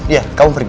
iya kamu pergi